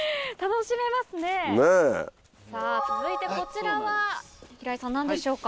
続いてこちらは平井さん何でしょうか？